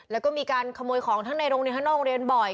แล้วก็มีการขโมยของทั้งในโรงเรียนทั้งนอกโรงเรียนบ่อย